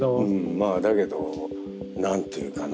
まあだけど何ていうかな。